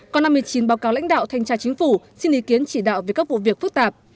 còn năm hai nghìn một mươi chín báo cáo lãnh đạo thanh tra chính phủ xin ý kiến chỉ đạo về các vụ việc phức tạp